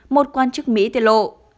một quan chức mỹ tiết lộ